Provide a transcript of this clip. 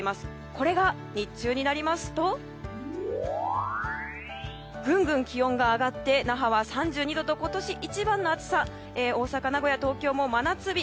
これが日中になりますとぐんぐん気温が上がって那覇は３２度と今年一番の暑さ大阪、名古屋、東京も真夏日。